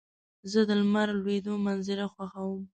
زه د لمر لوېدو منظر خوښوم.